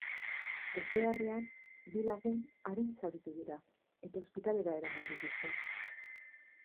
Ezbeharrean bi lagun arin zauritu dira, eta ospitalera eraman dituzte.